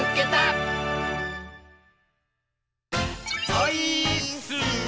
オイーッス！